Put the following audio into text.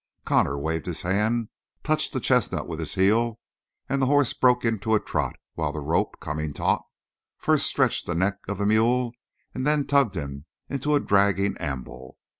Connor waved his hand, touched the chestnut with his heel and the horse broke into a trot, while the rope, coming taut, first stretched the neck of the mule and then tugged him into a dragging amble.